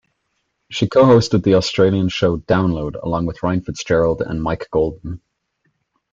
She co-hosted the Australian show "Download" along with Ryan Fitzgerald and Mike Goldman.